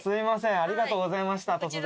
ありがとうございました突然。